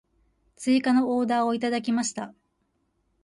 追加のオーダーをいただきました。